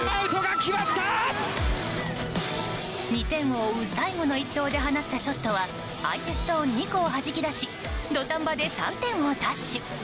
２点を追う最後の一投で放ったショットは相手ストーン２個をはじき出し土壇場で３点を奪取。